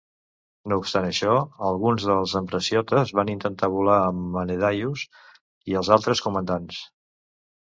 No obstant això, alguns dels ambraciotes van intentar volar amb Menedaius i els altres comandants.